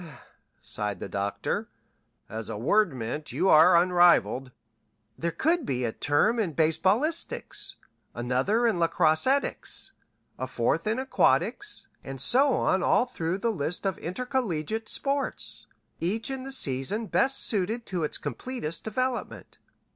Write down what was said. sighed the Doctor. "As a word mint you are unrivalled." "There could be a term in baseballistics; another in lacrossetics; a fourth in aquatics, and so on all through the list of intercollegiate sports, each in the season best suited to its completest development."